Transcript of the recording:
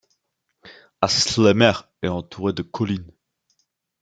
Haslemere est entouré de collines.